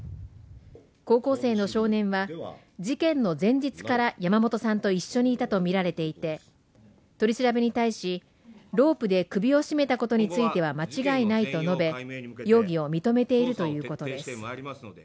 高校生の少年は、事件の前日から山本さんと一緒にいたとみられていて取り調べに対し、ロープで首を絞めたことは間違いないと述べ、容疑を認めているということです。